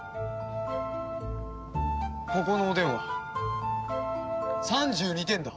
ここのおでんは３２点だ。